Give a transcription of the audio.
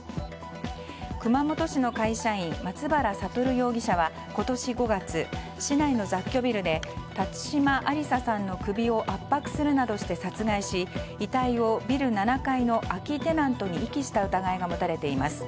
熊本市の会社員、松原聡容疑者は今年５月、市内の雑居ビルで辰島ありささんの首を圧迫するなどして殺害し遺体をビル７階の空きテナントに遺棄した疑いが持たれています。